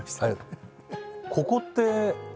ここって。